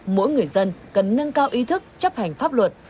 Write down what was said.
mỗi người dân cần nâng cao ý thức chấp hành pháp luật